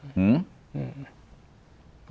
หือ